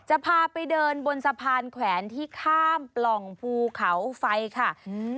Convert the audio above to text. จะพาไปเดินบนสะพานแขวนที่ข้ามปล่องภูเขาไฟค่ะอืม